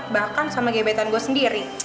bahkan sama gebetan gue sendiri